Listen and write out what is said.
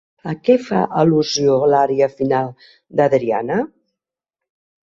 A què fa al·lusió l'ària final d'Adriana?